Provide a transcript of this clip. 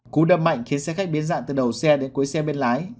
cú đâm mạnh khiến xe khách biến dạng từ đầu xe đến cuối xe bên lái